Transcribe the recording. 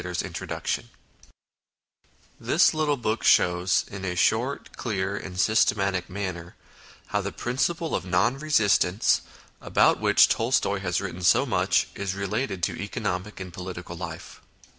1900 INTRODUCTION BY AYLMER MAUDE THIS little book shows, in a short, clear, and systematic manner, how the principle of Non Kesistance, about which Tolstoy has written so much, is related to economic and political life.